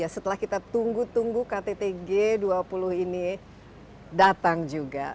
setelah kita tunggu tunggu ktt g dua puluh ini datang juga